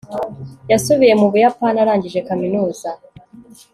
yasubiye mu buyapani arangije kaminuza